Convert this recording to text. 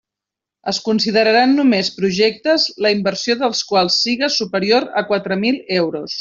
Es consideraran només projectes la inversió dels quals siga superior a quatre mil euros.